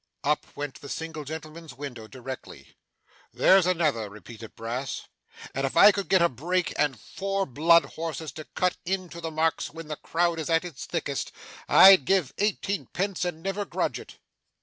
Up went the single gentleman's window directly. 'There's another,' repeated Brass; 'and if I could get a break and four blood horses to cut into the Marks when the crowd is at its thickest, I'd give eighteen pence and never grudge it!